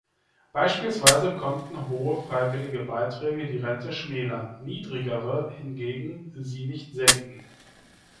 Beispielsweise konnten hohe freiwillige Beiträge die Rente schmälern, niedrigere hingegen sie nicht senken.